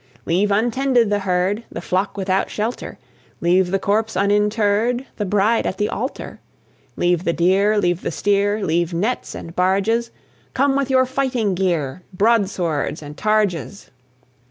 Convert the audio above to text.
Leave untended the herd, The flock without shelter; Leave the corpse uninterr'd, The bride at the altar; Leave the deer, leave the steer, Leave nets and barges: Come with your fighting gear, Broadswords and targes.